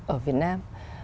ở việt nam